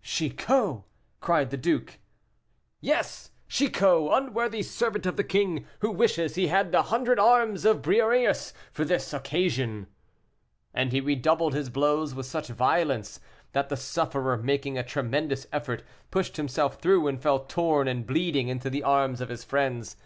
"Chicot!" cried the duke. "Yes, Chicot, unworthy servant of the king, who wishes he had the hundred arms of Briareus for this occasion." And he redoubled his blows with such violence, that the sufferer, making a tremendous effort, pushed himself through, and fell torn and bleeding into the arms of his friends.